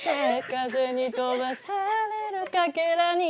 「風に飛ばされる欠片に」